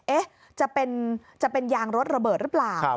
จะเป็นยางรถระเบิดหรือเปล่า